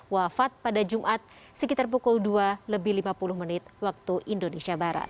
wafat pada jumat sekitar pukul dua lebih lima puluh menit waktu indonesia barat